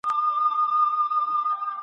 راتلونکي نسلونه به مو یادوي.